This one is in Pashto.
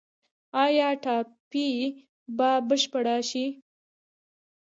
آیا ټاپي به بشپړه شي؟